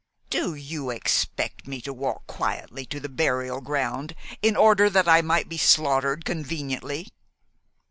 "Do you expect me to walk quietly to the burial ground in order that I may be slaughtered conveniently?"